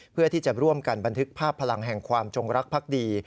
เพื่อที่จะร่วมกันบันทึกภาพพลังแห่งความจงรักภักดี